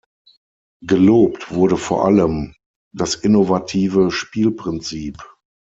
Gelobt wurde vor Allem das innovative Spielprinzip.